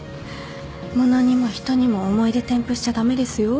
物にも人にも思い出添付しちゃ駄目ですよ。